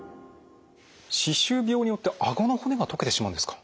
歯周病によってあごの骨が溶けてしまうんですか？